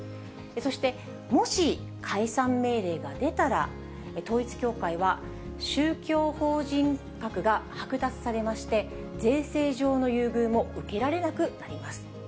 そして、もし解散命令が出たら、統一教会は宗教法人格が剥奪されまして、税制上の優遇も受けられなくなります。